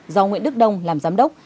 do nguyễn đức đông làm giám đốc